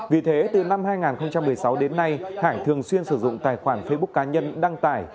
vì thế từ năm hai nghìn một mươi sáu đến nay hải thường xuyên sử dụng tài khoản facebook cá nhân đăng tải